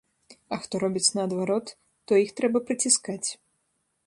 А хто робіць наадварот, то іх трэба прыціскаць.